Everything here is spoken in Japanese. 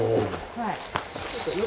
はい。